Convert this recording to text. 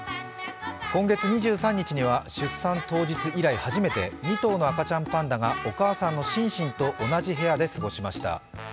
今月２３日には出産当日以来初めて２頭の赤ちゃんパンダがお母さんのシンシンと同じ部屋で過ごしました。